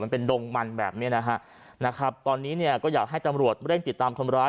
มันเป็นดงมันแบบเนี้ยนะฮะนะครับตอนนี้เนี่ยก็อยากให้ตำรวจเร่งติดตามคนร้าย